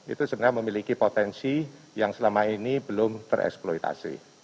itu sebenarnya memiliki potensi yang selama ini belum tereksploitasi